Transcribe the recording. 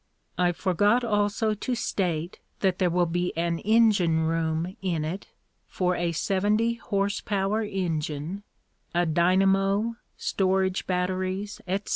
I forgot also to state that there will be an engine room in it for a seventy horse power engine, a dynamo, storage batteries, etc.